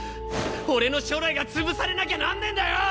俺の将来が潰されなきゃなんねえんだよ！？